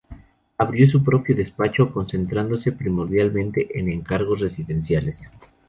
Abrió su propio despacho, concentrándose primordialmente en encargos residenciales.